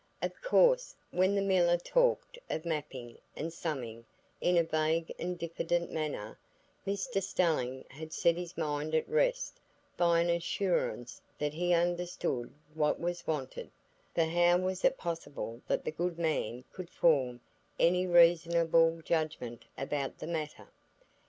Of course, when the miller talked of "mapping" and "summing" in a vague and diffident manner, Mr Stelling had set his mind at rest by an assurance that he understood what was wanted; for how was it possible the good man could form any reasonable judgment about the matter?